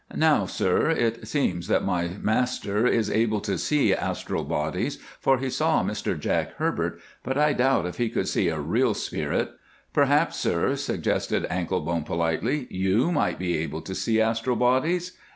"Now, sir, it seems that my master is able to see astral bodies, for he saw Mr Jack Herbert, but I doubt if he could see a real spirit. Perhaps, sir," suggested Anklebone, politely, "you might be able to see astral bodies?"